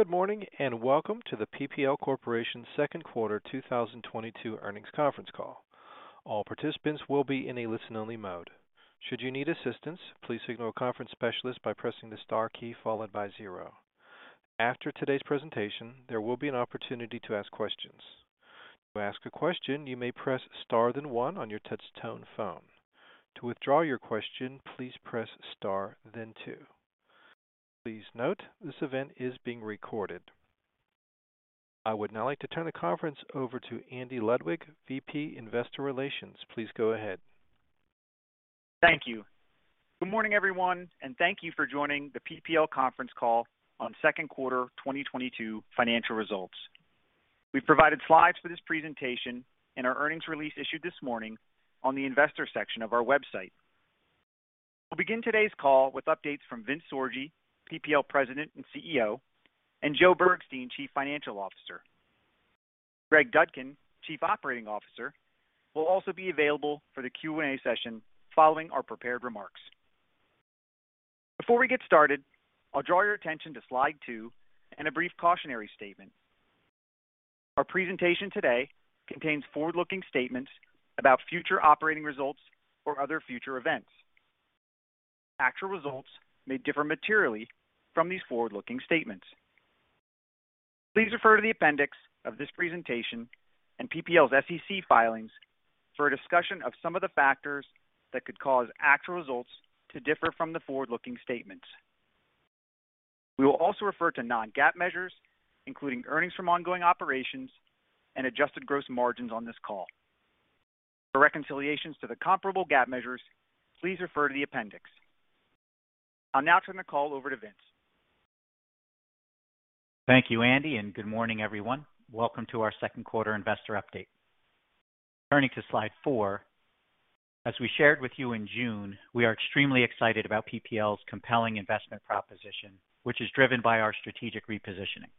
Good morning, and welcome to the PPL Corporation second quarter 2022 earnings conference call. All participants will be in a listen-only mode. Should you need assistance, please signal a conference specialist by pressing the star key followed by zero. After today's presentation, there will be an opportunity to ask questions. To ask a question, you may press star then one on your touch tone phone. To withdraw your question, please press star then two. Please note this event is being recorded. I would now like to turn the conference over to Andy Ludwig, VP Investor Relations. Please go ahead. Thank you. Good morning, everyone, and thank you for joining the PPL conference call on second quarter 2022 financial results. We've provided slides for this presentation in our earnings release issued this morning on the investor section of our website. We'll begin today's call with updates from Vince Sorgi, PPL President and CEO, and Joe Bergstein, Chief Financial Officer. Greg Dudkin, Chief Operating Officer, will also be available for the Q&A session following our prepared remarks. Before we get started, I'll draw your attention to slide two and a brief cautionary statement. Our presentation today contains forward-looking statements about future operating results or other future events. Actual results may differ materially from these forward-looking statements. Please refer to the appendix of this presentation and PPL's SEC filings for a discussion of some of the factors that could cause actual results to differ from the forward-looking statements. We will also refer to non-GAAP measures, including earnings from ongoing operations and adjusted gross margins on this call. For reconciliations to the comparable GAAP measures, please refer to the appendix. I'll now turn the call over to Vince. Thank you, Andy, and good morning everyone. Welcome to our second quarter investor update. Turning to slide four. As we shared with you in June, we are extremely excited about PPL's compelling investment proposition, which is driven by our strategic repositioning.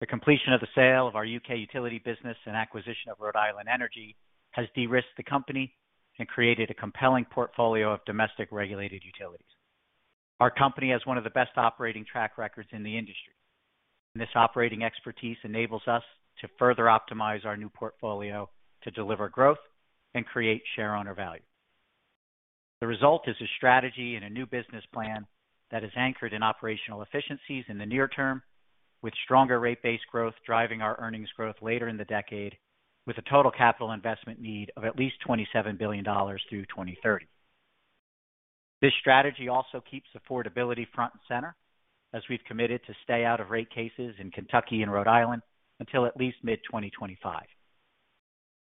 The completion of the sale of our U.K. utility business and acquisition of Rhode Island Energy has de-risked the company and created a compelling portfolio of domestic regulated utilities. Our company has one of the best operating track records in the industry. This operating expertise enables us to further optimize our new portfolio to deliver growth and create shareholder value. The result is a strategy and a new business plan that is anchored in operational efficiencies in the near term, with stronger rate-based growth driving our earnings growth later in the decade with a total capital investment need of at least $27 billion through 2030. This strategy also keeps affordability front and center as we've committed to stay out of rate cases in Kentucky and Rhode Island until at least mid-2025.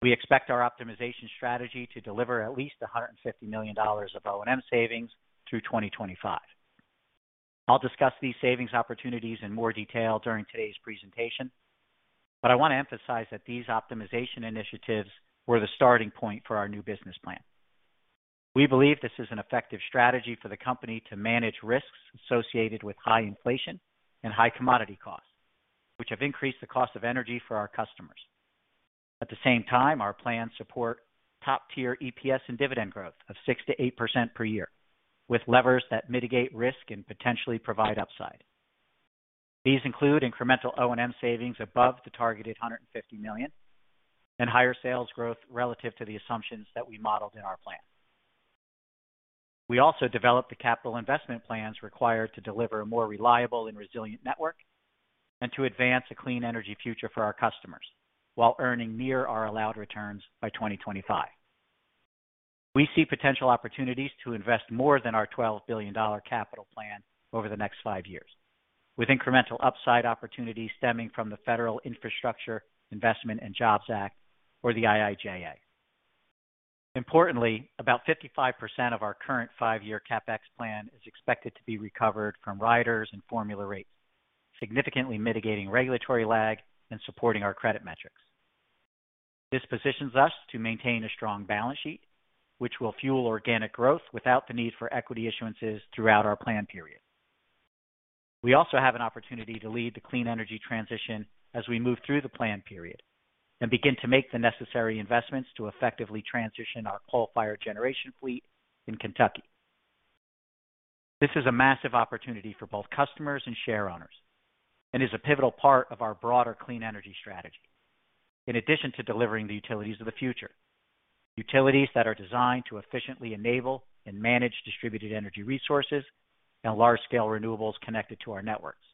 We expect our optimization strategy to deliver at least $150 million of O&M savings through 2025. I'll discuss these savings opportunities in more detail during today's presentation, but I want to emphasize that these optimization initiatives were the starting point for our new business plan. We believe this is an effective strategy for the company to manage risks associated with high inflation and high commodity costs, which have increased the cost of energy for our customers. At the same time, our plans support top-tier EPS and dividend growth of 6%-8% per year, with levers that mitigate risk and potentially provide upside. These include incremental O&M savings above the targeted $150 million and higher sales growth relative to the assumptions that we modeled in our plan. We also developed the capital investment plans required to deliver a more reliable and resilient network and to advance a clean energy future for our customers while earning near our allowed returns by 2025. We see potential opportunities to invest more than our $12 billion capital plan over the next five years, with incremental upside opportunities stemming from the Federal Infrastructure Investment and Jobs Act, or the IIJA. Importantly, about 55% of our current five-year CapEx plan is expected to be recovered from riders and formula rates, significantly mitigating regulatory lag and supporting our credit metrics. This positions us to maintain a strong balance sheet, which will fuel organic growth without the need for equity issuances throughout our plan period. We also have an opportunity to lead the clean energy transition as we move through the plan period and begin to make the necessary investments to effectively transition our coal-fired generation fleet in Kentucky. This is a massive opportunity for both customers and share owners and is a pivotal part of our broader clean energy strategy. In addition to delivering the utilities of the future, utilities that are designed to efficiently enable and manage distributed energy resources and large-scale renewables connected to our networks.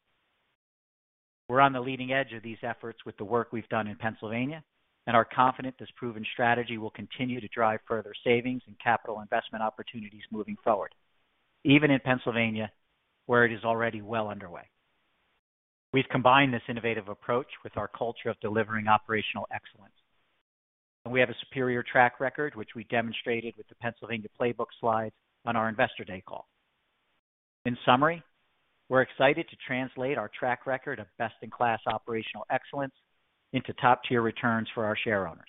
We're on the leading edge of these efforts with the work we've done in Pennsylvania and are confident this proven strategy will continue to drive further savings and capital investment opportunities moving forward, even in Pennsylvania, where it is already well underway. We've combined this innovative approach with our culture of delivering operational excellence. We have a superior track record, which we demonstrated with the Pennsylvania playbook slide on our Investor Day call. In summary, we're excited to translate our track record of best-in-class operational excellence into top-tier returns for our share owners.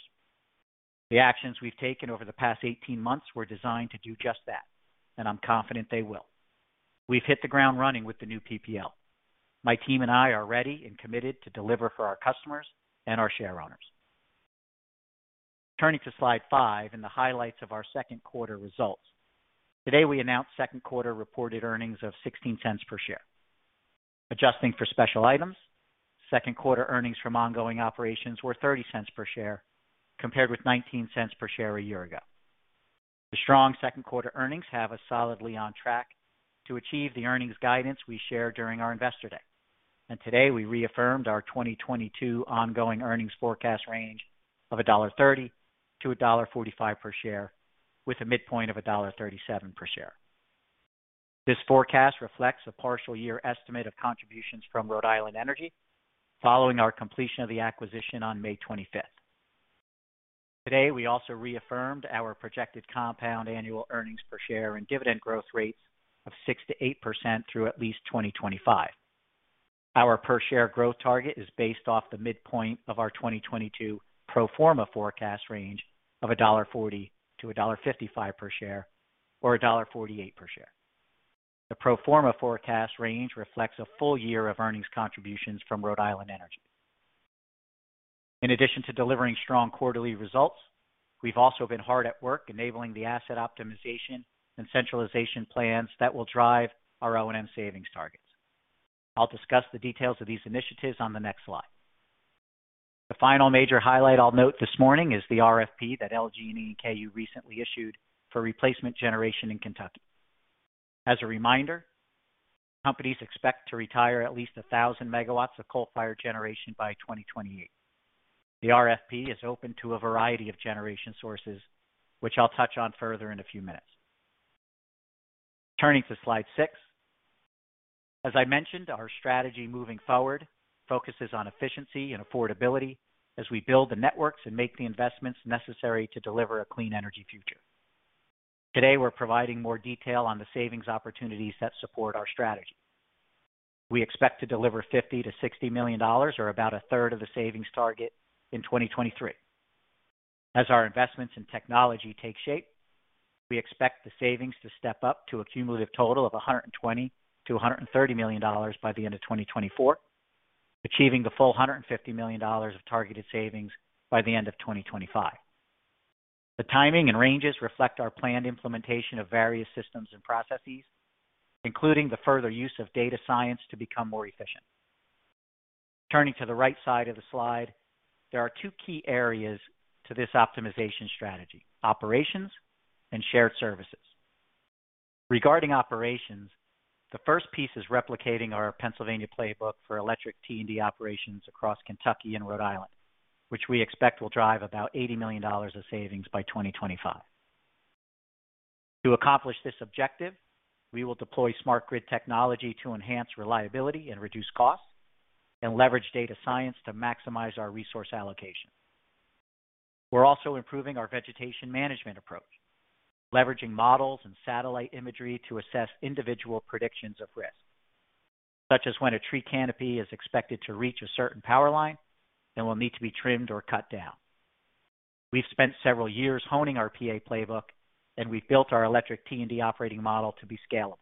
The actions we've taken over the past 18 months were designed to do just that, and I'm confident they will. We've hit the ground running with the new PPL. My team and I are ready and committed to deliver for our customers and our share owners. Turning to slide 5 and the highlights of our second quarter results. Today, we announced second quarter reported earnings of $0.16 per share. Adjusting for special items, second quarter earnings from ongoing operations were $0.30 per share, compared with $0.19 per share a year ago. The strong second quarter earnings have us solidly on track to achieve the earnings guidance we shared during our Investor Day. Today, we reaffirmed our 2022 ongoing earnings forecast range of $1.30-1.45 per share with a midpoint of $1.37 per share. This forecast reflects a partial year estimate of contributions from Rhode Island Energy following our completion of the acquisition on 25th May. Today, we also reaffirmed our projected compound annual earnings per share and dividend growth rates of 6%-8% through at least 2025. Our per share growth target is based off the midpoint of our 2022 pro forma forecast range of $1.40-1.55 per share or $1.48 per share. The pro forma forecast range reflects a full year of earnings contributions from Rhode Island Energy. In addition to delivering strong quarterly results, we've also been hard at work enabling the asset optimization and centralization plans that will drive our O&M savings targets. I'll discuss the details of these initiatives on the next slide. The final major highlight I'll note this morning is the RFP that LG&E and KU recently issued for replacement generation in Kentucky. As a reminder, companies expect to retire at least 1,000 MW of coal-fired generation by 2028. The RFP is open to a variety of generation sources, which I'll touch on further in a few minutes. Turning to slide six. As I mentioned, our strategy moving forward focuses on efficiency and affordability as we build the networks and make the investments necessary to deliver a clean energy future. Today, we're providing more detail on the savings opportunities that support our strategy. We expect to deliver $50-60 million or about a third of the savings target in 2023. As our investments in technology take shape, we expect the savings to step up to a cumulative total of $120-130 million by the end of 2024, achieving the full $150 million of targeted savings by the end of 2025. The timing and ranges reflect our planned implementation of various systems and processes, including the further use of data science to become more efficient. Turning to the right side of the slide, there are two key areas to this optimization strategy, operations and shared services. Regarding operations, the first piece is replicating our Pennsylvania playbook for electric T&D operations across Kentucky and Rhode Island, which we expect will drive about $80 million of savings by 2025. To accomplish this objective, we will deploy smart grid technology to enhance reliability and reduce costs and leverage data science to maximize our resource allocation. We're also improving our vegetation management approach, leveraging models and satellite imagery to assess individual predictions of risk, such as when a tree canopy is expected to reach a certain power line and will need to be trimmed or cut down. We've spent several years honing our PA playbook, and we've built our electric T&D operating model to be scalable.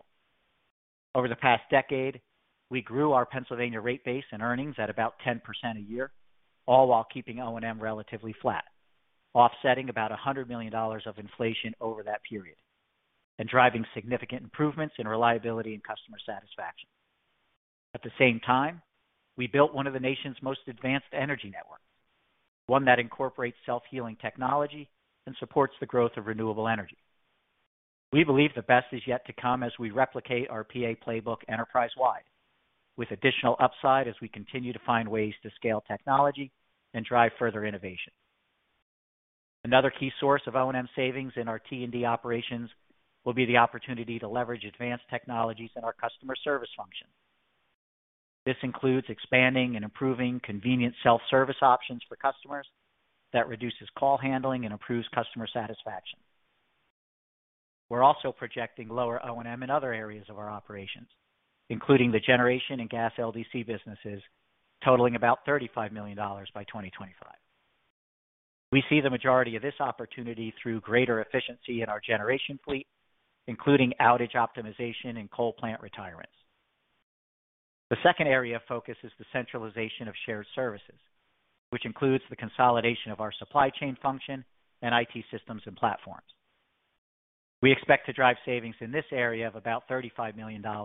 Over the past decade, we grew our Pennsylvania rate base and earnings at about 10% a year, all while keeping O&M relatively flat, offsetting about $100 million of inflation over that period and driving significant improvements in reliability and customer satisfaction. At the same time, we built one of the nation's most advanced energy networks, one that incorporates self-healing technology and supports the growth of renewable energy. We believe the best is yet to come as we replicate our PA playbook enterprise-wide with additional upside as we continue to find ways to scale technology and drive further innovation. Another key source of O&M savings in our T&D operations will be the opportunity to leverage advanced technologies in our customer service function. This includes expanding and improving convenient self-service options for customers that reduces call handling and improves customer satisfaction. We're also projecting lower O&M in other areas of our operations, including the generation and gas LDC businesses, totaling about $35 million by 2025. We see the majority of this opportunity through greater efficiency in our generation fleet, including outage optimization and coal plant retirements. The second area of focus is the centralization of shared services, which includes the consolidation of our supply chain function and IT systems and platforms. We expect to drive savings in this area of about $35 million by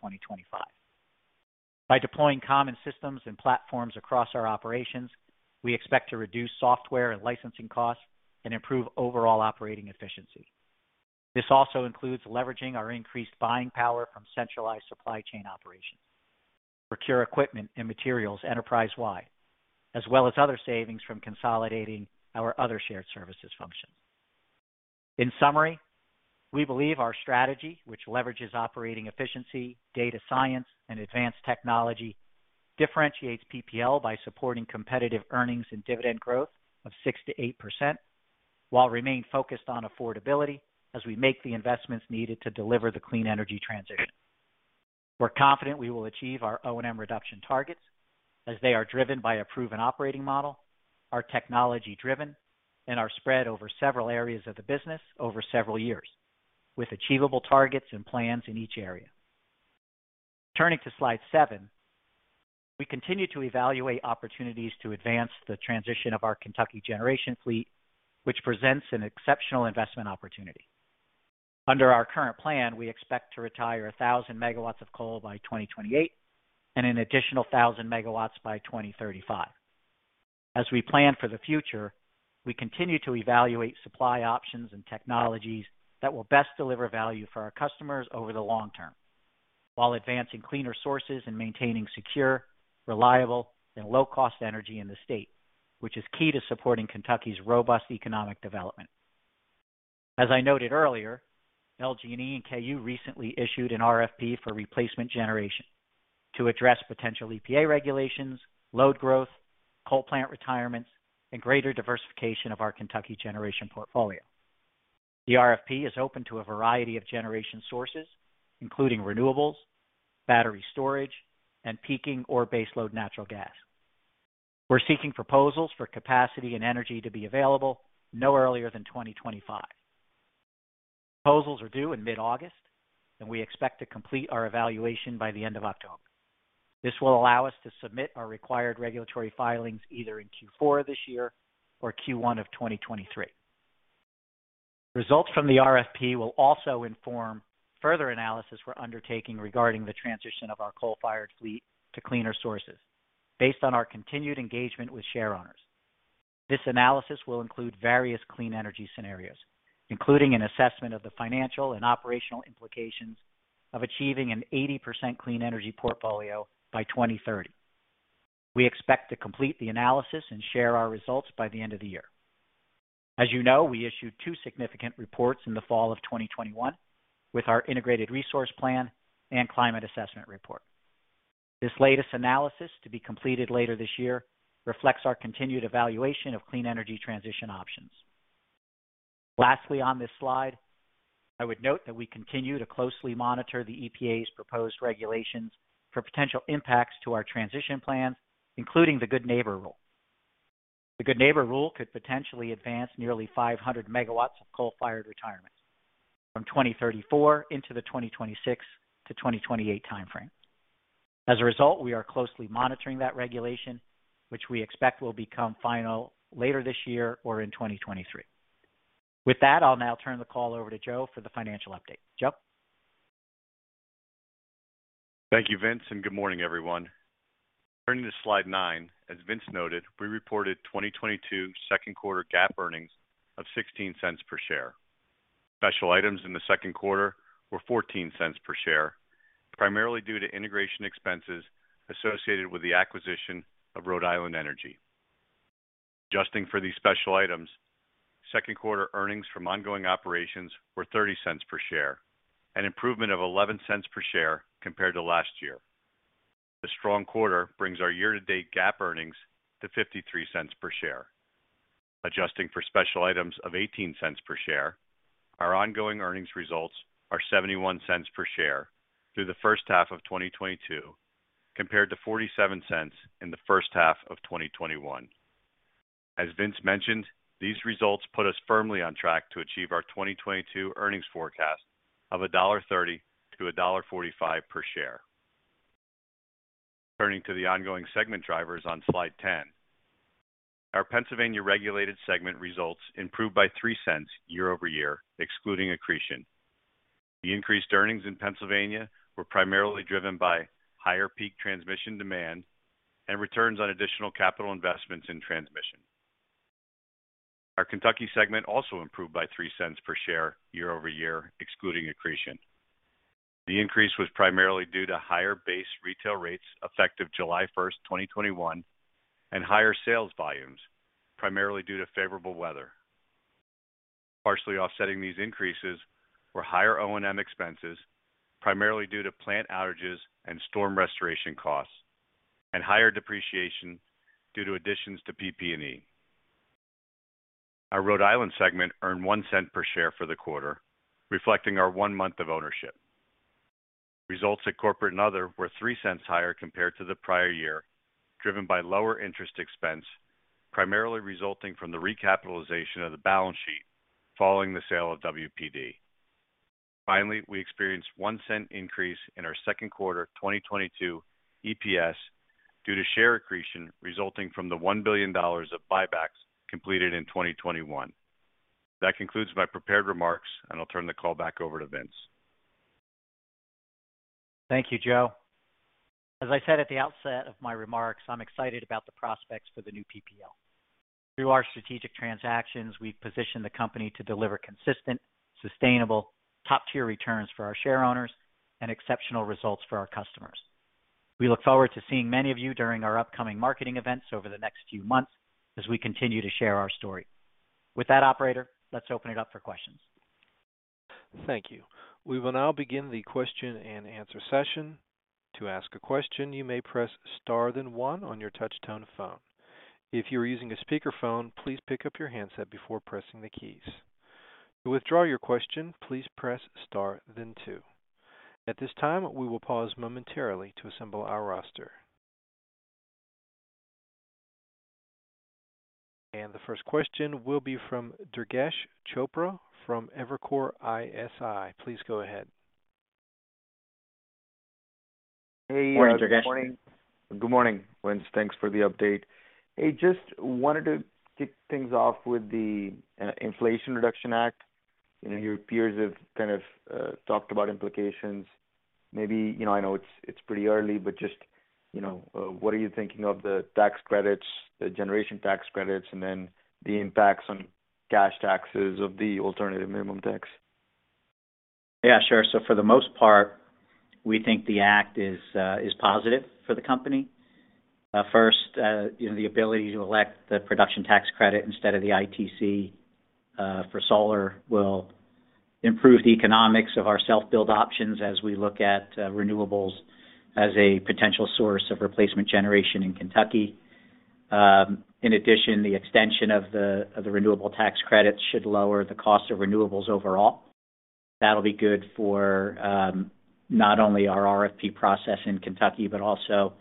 2025. By deploying common systems and platforms across our operations, we expect to reduce software and licensing costs and improve overall operating efficiency. This also includes leveraging our increased buying power from centralized supply chain operations, procure equipment and materials enterprise-wide, as well as other savings from consolidating our other shared services functions. In summary, we believe our strategy, which leverages operating efficiency, data science, and advanced technology, differentiates PPL by supporting competitive earnings and dividend growth of 6%-8% while remain focused on affordability as we make the investments needed to deliver the clean energy transition. We're confident we will achieve our O&M reduction targets as they are driven by a proven operating model, are technology-driven, and are spread over several areas of the business over several years with achievable targets and plans in each area. Turning to slide seven. We continue to evaluate opportunities to advance the transition of our Kentucky generation fleet, which presents an exceptional investment opportunity. Under our current plan, we expect to retire 1,000 MW of coal by 2028 and an additional 1,000 MW by 2035. As we plan for the future, we continue to evaluate supply options and technologies that will best deliver value for our customers over the long term, while advancing cleaner sources and maintaining secure, reliable and low cost energy in the state, which is key to supporting Kentucky's robust economic development. As I noted earlier, LG&E and KU recently issued an RFP for replacement generation to address potential EPA regulations, load growth, coal plant retirements, and greater diversification of our Kentucky generation portfolio. The RFP is open to a variety of generation sources, including renewables, battery storage, and peaking or base load natural gas. We're seeking proposals for capacity and energy to be available no earlier than 2025. Proposals are due in mid-August, and we expect to complete our evaluation by the end of October. This will allow us to submit our required regulatory filings either in Q4 this year or Q1 of 2023. Results from the RFP will also inform further analysis we're undertaking regarding the transition of our coal-fired fleet to cleaner sources based on our continued engagement with share owners. This analysis will include various clean energy scenarios, including an assessment of the financial and operational implications of achieving an 80% clean energy portfolio by 2030. We expect to complete the analysis and share our results by the end of the year. As you know, we issued two significant reports in the fall of 2021 with our integrated resource plan and climate assessment report. This latest analysis to be completed later this year reflects our continued evaluation of clean energy transition options. Lastly, on this slide, I would note that we continue to closely monitor the EPA's proposed regulations for potential impacts to our transition plans, including the Good Neighbor Rule. The Good Neighbor Rule could potentially advance nearly 500 MW of coal-fired retirements from 2034 into the 2026 to 2028 time frame. As a result, we are closely monitoring that regulation, which we expect will become final later this year or in 2023. With that, I'll now turn the call over to Joe for the financial update. Joe. Thank you, Vince, and good morning, everyone. Turning to slide nine, as Vince noted, we reported 2022 second quarter GAAP earnings of $0.16 per share. Special items in the second quarter were $0.14 per share, primarily due to integration expenses associated with the acquisition of Rhode Island Energy. Adjusting for these special items, second quarter earnings from ongoing operations were $0.30 per share, an improvement of $0.11 per share compared to last year. The strong quarter brings our year-to-date GAAP earnings to $0.53 per share. Adjusting for special items of $0.18 per share, our ongoing earnings results are $0.71 per share through the first half of 2022, compared to $0.47 in the first half of 2021. As Vince mentioned, these results put us firmly on track to achieve our 2022 earnings forecast of $1.30-1.45 per share. Turning to the ongoing segment drivers on slide 10. Our Pennsylvania regulated segment results improved by $0.03 year-over-year, excluding accretion. The increased earnings in Pennsylvania were primarily driven by higher peak transmission demand and returns on additional capital investments in transmission. Our Kentucky segment also improved by $0.03 per share year-over-year, excluding accretion. The increase was primarily due to higher base retail rates effective 1st July 2021, and higher sales volumes, primarily due to favorable weather. Partially offsetting these increases were higher O&M expenses, primarily due to plant outages and storm restoration costs, and higher depreciation due to additions to PP&E. Our Rhode Island segment earned $0.01 per share for the quarter, reflecting our 1 month of ownership. Results at Corporate and Other were $0.03 higher compared to the prior year, driven by lower interest expense, primarily resulting from the recapitalization of the balance sheet following the sale of WPD. Finally, we experienced $0.01 increase in our second quarter 2022 EPS due to share accretion resulting from the $1 billion of buybacks completed in 2021. That concludes my prepared remarks, and I'll turn the call back over to Vince. Thank you, Joe. As I said at the outset of my remarks, I'm excited about the prospects for the new PPL. Through our strategic transactions, we've positioned the company to deliver consistent, sustainable, top-tier returns for our share owners and exceptional results for our customers. We look forward to seeing many of you during our upcoming marketing events over the next few months as we continue to share our story. With that, operator, let's open it up for questions. Thank you. We will now begin the question and answer session. To ask a question, you may press star, then one on your touch-tone phone. If you are using a speakerphone, please pick up your handset before pressing the keys. To withdraw your question, please press star, then two. At this time, we will pause momentarily to assemble our roster. The first question will be from Durgesh Chopra from Evercore ISI. Please go ahead. Hey. Morning, Durgesh. Good morning. Good morning, Vince. Thanks for the update. Hey, just wanted to kick things off with the Inflation Reduction Act. You know, your peers have kind of talked about implications. Maybe, you know, I know it's pretty early, but just, you know, what are you thinking of the tax credits, the generation tax credits, and then the impacts on cash taxes of the alternative minimum tax? Yeah, sure. For the most part, we think the act is positive for the company. First, you know, the ability to elect the production tax credit instead of the ITC for solar will improve the economics of our self-build options as we look at renewables as a potential source of replacement generation in Kentucky. In addition, the extension of the renewable tax credits should lower the cost of renewables overall. That'll be good for not only our RFP process in Kentucky, but also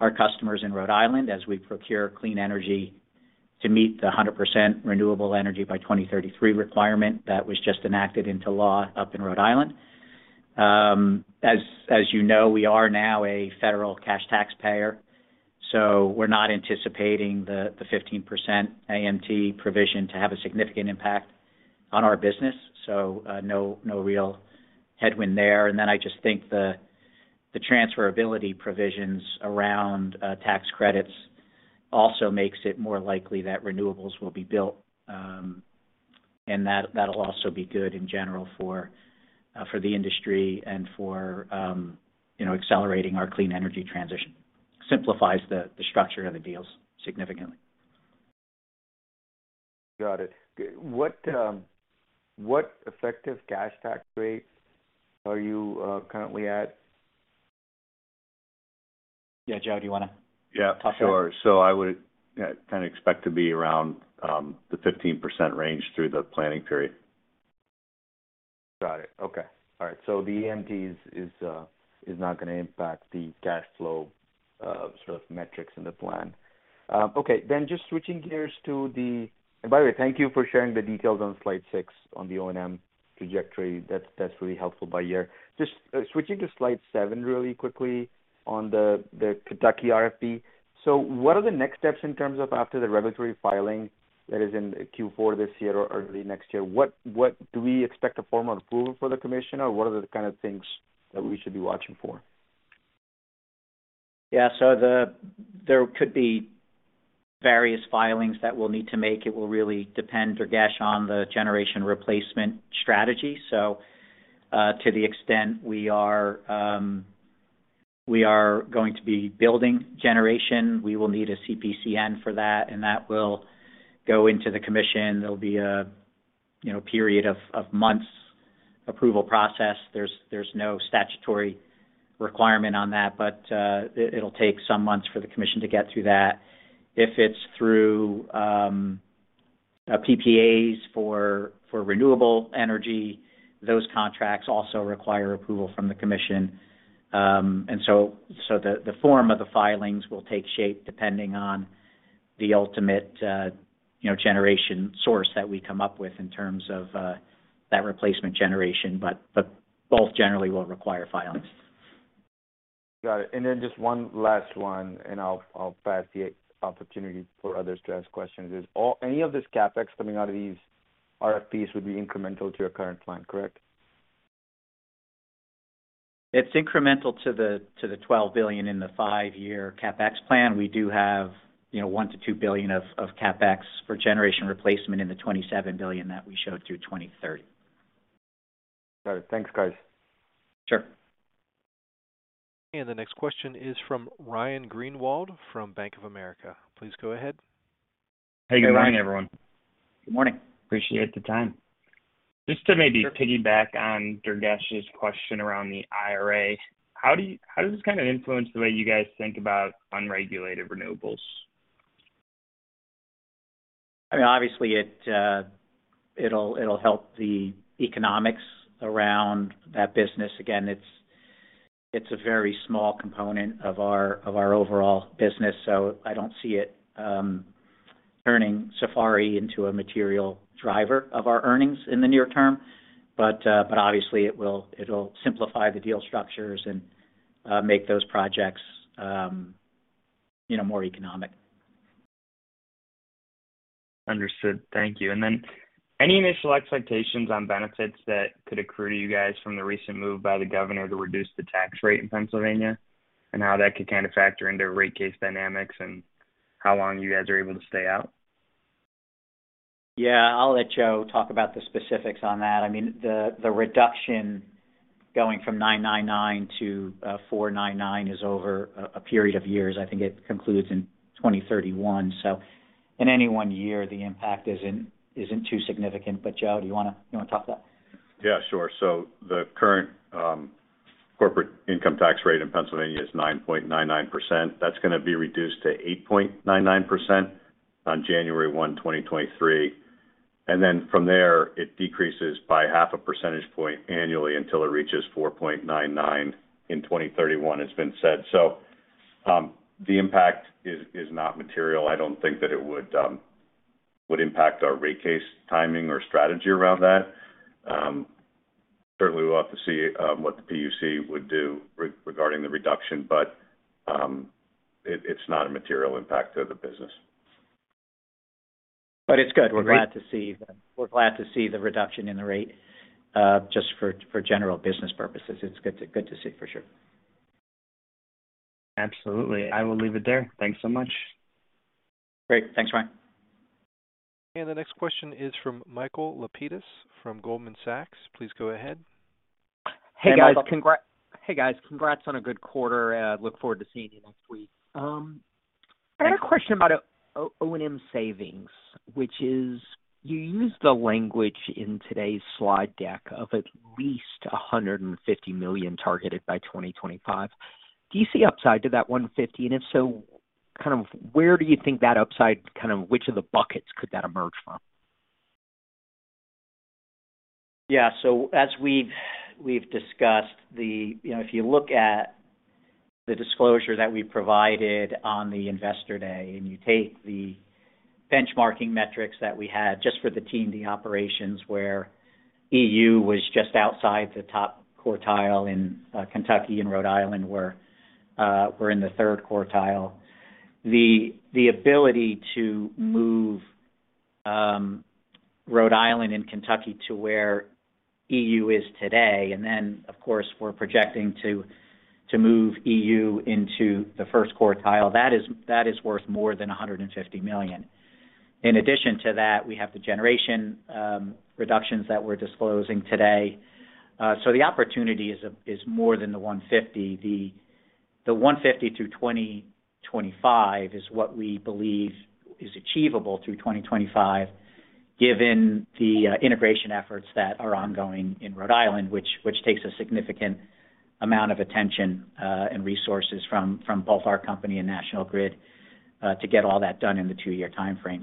our customers in Rhode Island as we procure clean energy to meet the 100% renewable energy by 2033 requirement that was just enacted into law up in Rhode Island. As you know, we are now a federal cash taxpayer, so we're not anticipating the 15% AMT provision to have a significant impact on our business. So no real headwind there. I just think the transferability provisions around tax credits also makes it more likely that renewables will be built, and that'll also be good in general for the industry and for you know, accelerating our clean energy transition. Simplifies the structure of the deals significantly. Got it. What effective cash tax rate are you currently at? Yeah. Joe, do you wanna- Yeah. Talk to that? Sure. I would, yeah, kind of expect to be around the 15% range through the planning period. Got it. Okay. All right. The AMT is not gonna impact the cash flow sort of metrics in the plan. Just switching gears. By the way, thank you for sharing the details on slide six on the O&M trajectory. That's really helpful by year. Just switching to slide seven really quickly on the Kentucky RFP. What are the next steps in terms of after the regulatory filing that is in Q4 this year or early next year? What do we expect a formal approval from the commission, or what are the kind of things that we should be watching for? Yeah. There could be various filings that we'll need to make. It will really depend, Durgesh, on the generation replacement strategy. To the extent we are going to be building generation, we will need a CPCN for that, and that will go into the commission. There'll be a, you know, period of months approval process. There's no statutory requirement on that, but it'll take some months for the commission to get through that. If it's through PPAs for renewable energy, those contracts also require approval from the commission. The form of the filings will take shape depending on the ultimate, you know, generation source that we come up with in terms of that replacement generation. Both generally will require filings. Got it. Just one last one, and I'll pass the opportunity for others to ask questions. Is any of this CapEx coming out of these RFPs incremental to your current plan, correct? It's incremental to the $12 billion in the five-year CapEx plan. We do have, you know, $1-2 billion of CapEx for generation replacement in the $27 billion that we showed through 2030. All right. Thanks, guys. Sure. The next question is from Ryan Greenwald from Bank of America. Please go ahead. Hey, good morning, everyone. Good morning. Appreciate the time. Just to maybe piggyback on Durgesh's question around the IRA, how does this kind of influence the way you guys think about unregulated renewables? I mean, obviously, it'll help the economics around that business. Again, it's a very small component of our overall business, so I don't see it turning Safari into a material driver of our earnings in the near term. Obviously, it'll simplify the deal structures and make those projects, you know, more economic. Understood. Thank you. Any initial expectations on benefits that could accrue to you guys from the recent move by the governor to reduce the tax rate in Pennsylvania, and how that could kind of factor into rate case dynamics and how long you guys are able to stay out? Yeah. I'll let Joe talk about the specifics on that. I mean, the reduction going from 999 to 499 is over a period of years. I think it concludes in 2031. In any one year, the impact isn't too significant. Joe, do you wanna talk to that? Yeah, sure. The current corporate income tax rate in Pennsylvania is 9.99%. That's gonna be reduced to 8.99% on 1 January 2023. From there, it decreases by half a percentage point annually until it reaches 4.99% in 2031, it's been said. The impact is not material. I don't think that it would impact our rate case timing or strategy around that. Certainly we'll have to see what the PUC would do regarding the reduction, but it's not a material impact to the business. It's good. We're glad to see the reduction in the rate, just for general business purposes. It's good to see, for sure. Absolutely. I will leave it there. Thanks so much. Great. Thanks, Ryan. The next question is from Michael Lapides from Goldman Sachs. Please go ahead. Hey, guys. Congrats on a good quarter, and I look forward to seeing you next week. I had a question about O&M savings, which is you used the language in today's slide deck of at least $150 million targeted by 2025. Do you see upside to that $150 million? And if so, kind of where do you think that upside, kind of which of the buckets could that emerge from? Yeah. As we've discussed. You know, if you look at the disclosure that we provided on the Investor Day, and you take the benchmarking metrics that we had just for the T&D operations, where EU was just outside the top quartile, Kentucky and Rhode Island were in the third quartile. The ability to move Rhode Island and Kentucky to where EU is today, and then of course, we're projecting to move EU into the first quartile. That is worth more than $150 million. In addition to that, we have the generation reductions that we're disclosing today. The opportunity is more than the $150 million. The $150 through 2025 is what we believe is achievable through 2025, given the integration efforts that are ongoing in Rhode Island, which takes a significant amount of attention and resources from both our company and National Grid to get all that done in the two-year timeframe.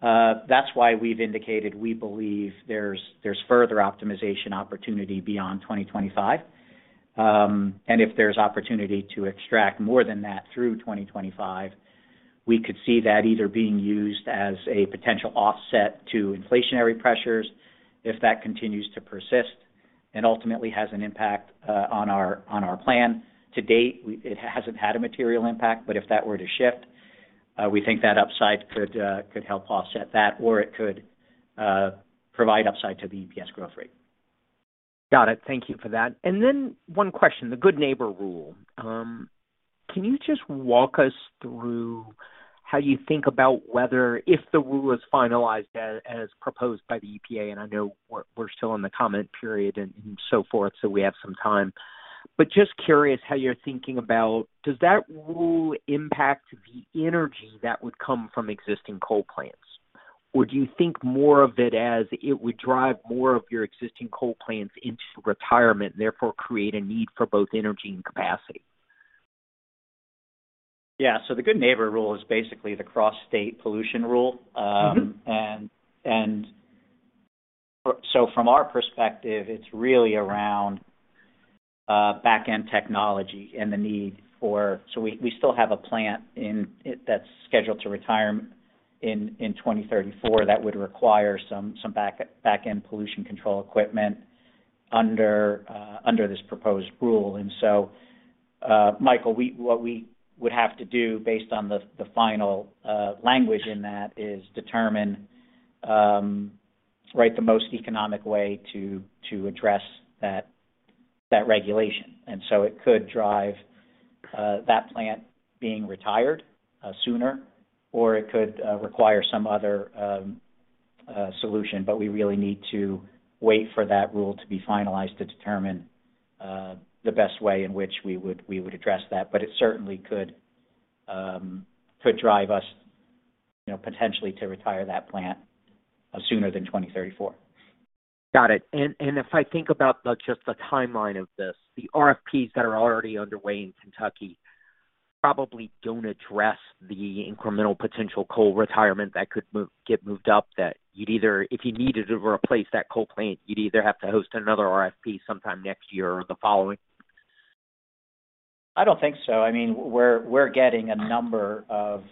That's why we've indicated we believe there's further optimization opportunity beyond 2025. If there's opportunity to extract more than that through 2025, we could see that either being used as a potential offset to inflationary pressures if that continues to persist and ultimately has an impact on our plan. To date, it hasn't had a material impact, but if that were to shift, we think that upside could help offset that, or it could provide upside to the EPS growth rate. Got it. Thank you for that. Then one question, the Good Neighbor Rule. Can you just walk us through how you think about whether if the rule is finalized as proposed by the EPA, and I know we're still in the comment period and so forth, so we have some time. But just curious how you're thinking about, does that rule impact the energy that would come from existing coal plants? Or do you think more of it as it would drive more of your existing coal plants into retirement, therefore create a need for both energy and capacity? Yeah. The Good Neighbor Rule is basically the Cross-State Air Pollution Rule. Mm-hmm. From our perspective, it's really around back-end technology and the need for. We still have a plant that's scheduled to retire in 2034 that would require some back-end pollution control equipment under this proposed rule. Michael, what we would have to do based on the final language in that is determine right the most economic way to address that regulation. It could drive that plant being retired sooner, or it could require some other solution. We really need to wait for that rule to be finalized to determine the best way in which we would address that. It certainly could drive us, you know, potentially to retire that plant sooner than 2034. Got it. If I think about just the timeline of this, the RFPs that are already underway in Kentucky probably don't address the incremental potential coal retirement that could get moved up. If you needed to replace that coal plant, you'd either have to host another RFP sometime next year or the following. I don't think so. I mean, we're getting a number of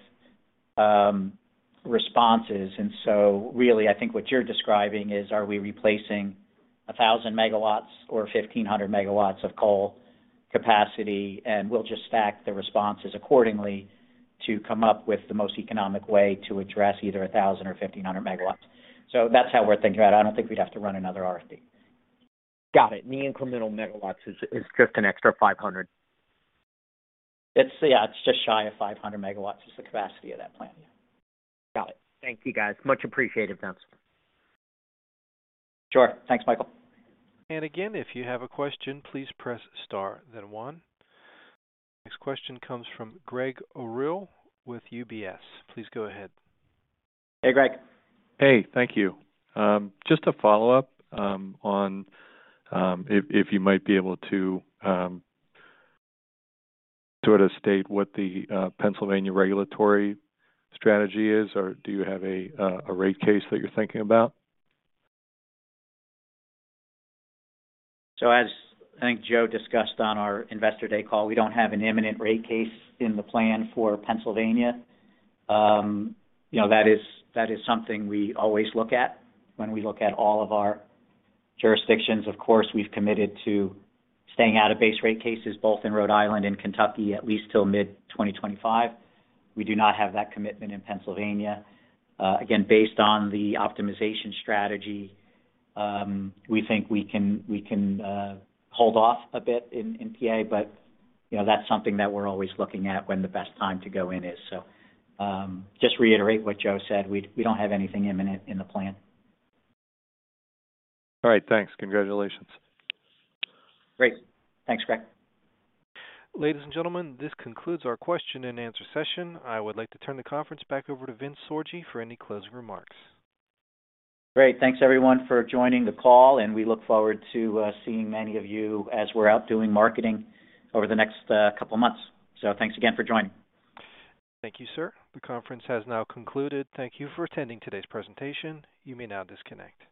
responses. Really, I think what you're describing is are we replacing 1,000 MW or 1,500 MW of coal capacity, and we'll just stack the responses accordingly to come up with the most economic way to address either 1,000 or 1,500 MW. That's how we're thinking about it. I don't think we'd have to run another RFP. Got it. The incremental megawatts is just an extra 500. It's, yeah, it's just shy of 500 MW is the capacity of that plant, yeah. Got it. Thank you, guys. Much appreciated, Vince. Sure. Thanks, Michael. Again, if you have a question, please press star then one. Next question comes from Gregg Orrill with UBS. Please go ahead. Hey, Gregg. Hey, thank you. Just a follow-up on if you might be able to sort of state what the Pennsylvania regulatory strategy is, or do you have a rate case that you're thinking about? As I think Joe discussed on our Investor Day call, we don't have an imminent rate case in the plan for Pennsylvania. That is something we always look at when we look at all of our jurisdictions. Of course, we've committed to staying out of base rate cases both in Rhode Island and Kentucky, at least till mid-2025. We do not have that commitment in Pennsylvania. Again, based on the optimization strategy, we think we can hold off a bit in PA. You know, that's something that we're always looking at, when the best time to go in is. Just reiterate what Joe said, we don't have anything imminent in the plan. All right. Thanks. Congratulations. Great. Thanks, Greg. Ladies and gentlemen, this concludes our question and answer session. I would like to turn the conference back over to Vincent Sorgi for any closing remarks. Great. Thanks everyone for joining the call, and we look forward to seeing many of you as we're out doing marketing over the next couple of months. Thanks again for joining. Thank you, sir. The conference has now concluded. Thank you for attending today's presentation. You may now disconnect.